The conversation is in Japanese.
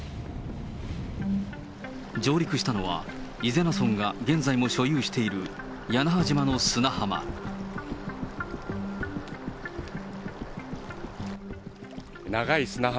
上陸したのは、伊是名村が現在も所有している屋那覇島の砂浜。